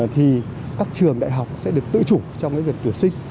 thì các trường đại học sẽ được tự chủ trong việc tuyển sinh